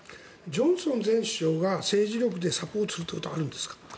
ジョンソン前首相が政治力でサポートするということはあるんですか？